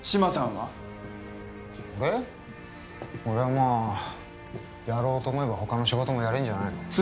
俺はまあやろうと思えば他の仕事もやれんじゃないの？